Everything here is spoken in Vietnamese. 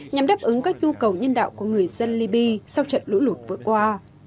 nhằm đáp ứng các nhu cầu nhân đạo của người dân liby sau trận lũ lụt vừa qua